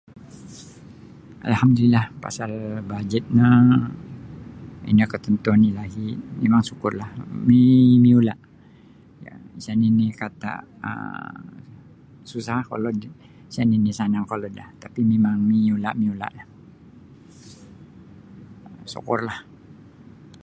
Alhamdulillah pasal bajet no ino ketentuan Ilahi' mimang sukurlah mimiula' sa' nini' kata' um susah kolod sa' nini' sanang kolodlah tapi' mimang miula' miula'lah sukurlah.